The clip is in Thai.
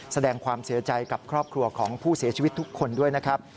แสดงความเสียใจกับครอบครัวของผู้เสียชีวิตทุกคนด้วยนะครับ